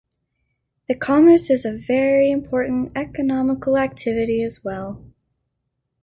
The commerce is a very important economical activity as well.